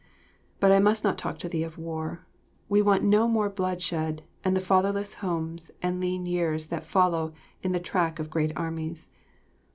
But I must not talk to thee of war; we want not more bloodshed and the fatherless homes and lean years that follow in the track of great armies.